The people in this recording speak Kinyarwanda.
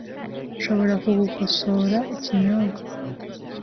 Nshobora kugukosora ikinyobwa?